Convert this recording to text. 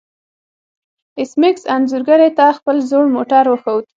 ایس میکس انځورګرې ته خپل زوړ موټر وښود